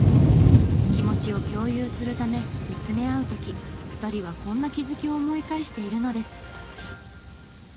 気持ちを共有するため見つめ合う時２人はこんな気づきを思い返しているのです。